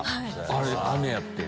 あれやってん。